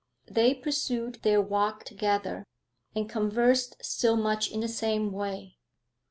They pursued their walk together, and conversed still much in the same way.